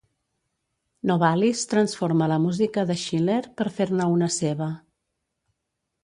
Novalis transforma la música de Schiller, per fer-ne una seva.